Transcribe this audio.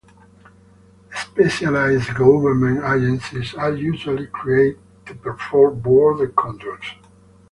Specialized government agencies are usually created to perform border controls.